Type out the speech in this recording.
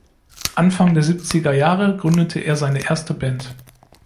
Anfang der siebziger Jahre gründete er seine erste Band.